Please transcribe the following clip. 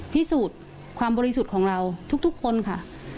พิสูจน์ความบริสุทธิ์ของเราทุกคนค่ะ